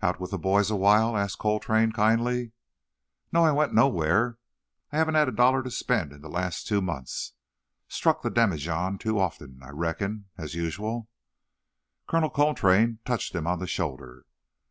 "Out with the boys awhile?" asked Coltrane kindly. "No, I went nowhere. I haven't had a dollar to spend in the last two months. Struck the demijohn too often, I reckon, as usual." Colonel Coltrane touched him on the shoulder.